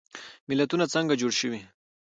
متلونه څنګه جوړ شوي؟